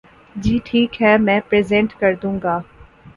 جی ٹھیک ہے میں پریزینٹ کردوں گا۔